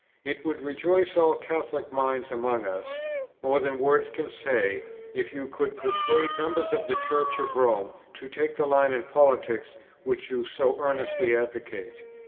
It would rejoice all Catholic minds among us, more than words can say, if you could persuade members of the Church of Rome to take the line in politics which you so earnestly advocate.